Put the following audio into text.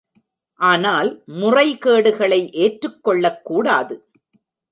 ஆனால் முறைகேடுகளை ஏற்றுக் கொள்ளக்கூடாது.